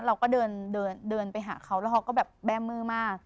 เราก็เดินเดินไปหาเขาแล้วเขาก็แบบแบ้มือมาก